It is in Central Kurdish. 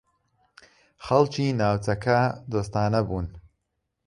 خەڵکی ناوچەکە دۆستانە بوون.